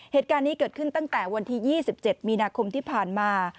เหตุการณ์นี้เกิดขึ้นตั้งแต่วันที่๒๗มีนาคมที่ผ่านมา